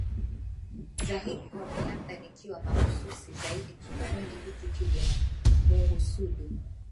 za hip hop Labda nikiwa mahususi zaidi kikundi hiki kilimuhusudu